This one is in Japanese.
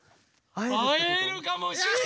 あえるかもしれない！